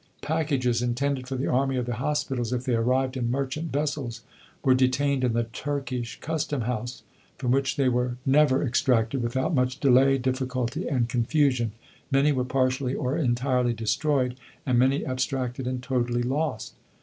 Packages, intended for the army or the hospitals, if they arrived in merchant vessels, were detained in the Turkish Custom House, from which they were never extracted without much delay, difficulty, and confusion; many were partially or entirely destroyed; and many abstracted and totally lost.